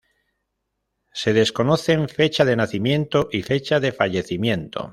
Se desconocen fecha de nacimiento y fecha de fallecimiento.